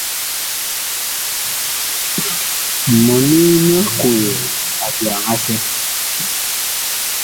Mɔni mig kol abyaŋ asɛ.